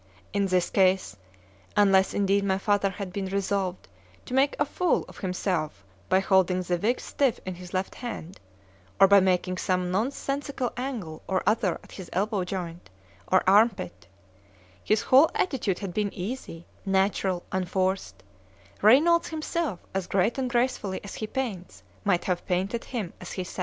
In this case, (unless, indeed, my father had been resolved to make a fool of himself by holding the wig stiff in his left hand——or by making some nonsensical angle or other at his elbow joint, or armpit)—his whole attitude had been easy—natural—unforced: Reynolds himself, as great and gracefully as he paints, might have painted him as he sat.